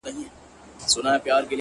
دا وايي دا توره بلا وړي څوك؛